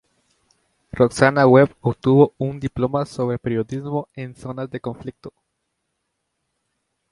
Roxana Webb obtuvo un diplomado sobre periodismo en zonas de conflicto.